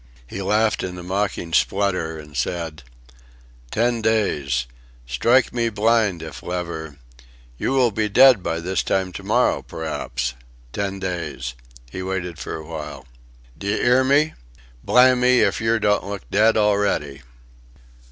He laughed in a mocking splutter and said: "Ten days. Strike me blind if ever!... You will be dead by this time to morrow p'r'aps. Ten days!" He waited for a while. "D'ye 'ear me? Blamme if yer don't look dead already."